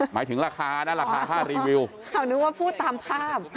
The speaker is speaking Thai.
หมายถึงราคานะราคาค่ารีวิวนึกว่าพูดตามภาพ